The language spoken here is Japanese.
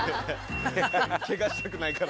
けがしたくないから。